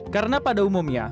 karena pada umumnya